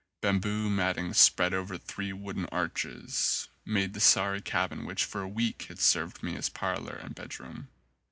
Bamboo matting spread over three wooden arches made the sorry cabin which for a week had served me as parlour and bedroom.